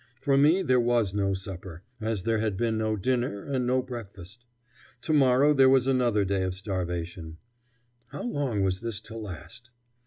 For me there was no supper, as there had been no dinner and no breakfast. Tomorrow there was another day of starvation. How long was this to last?